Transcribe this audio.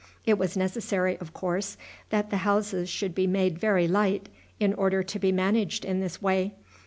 It was necessary, of course, that the houses should be made very light in order to be managed in this way.